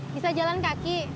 bisa jalan kaki